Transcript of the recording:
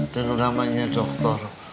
dengan namanya dokter